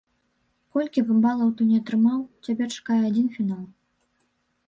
Колькі б балаў ты ні атрымаў, цябе чакае адзін фінал.